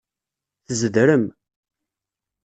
Tzedrem.